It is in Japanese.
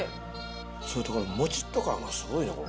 それとこのもちっと感がすごいね。